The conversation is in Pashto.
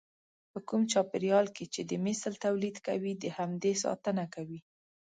په کوم چاپېريال کې چې د مثل توليد کوي د همدې ساتنه کوي.